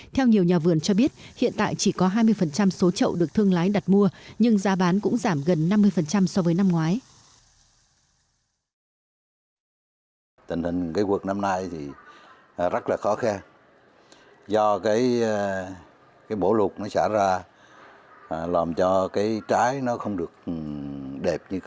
theo nhiều nhà vườn cho biết hiện tại chỉ có hai mươi số trậu được thương lái đặt mua nhưng giá bán cũng giảm gần năm mươi so với năm ngoái